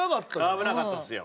危なかったですよ。